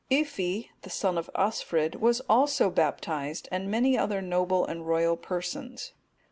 Yffi,(237) the son of Osfrid, was also baptized, and many other noble and royal persons.